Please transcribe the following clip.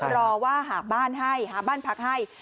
รอว่าหาบ้านให้หาบ้านพักให้